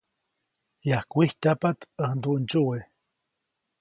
Yajkwijtyajpaʼt ʼäj nduʼndsyuwe.